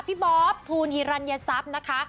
พี่บอฟทูนฮิรัณยสัพนะคะ